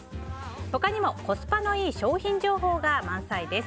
他にもコスパのいい商品情報が満載です。